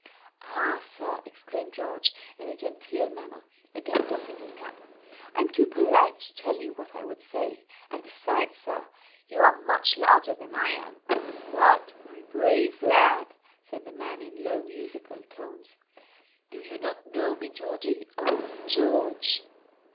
"Ah, sir," exclaimed George, in a genteel manner, again doffing his cap. "I'm too polite to tell you what I would say, and beside, sir, you are much larger than I am." "But, my brave lad," said the man in low musical tones, "do you not know me, Georgie. Oh, George!"